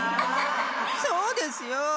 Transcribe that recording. そうですよ！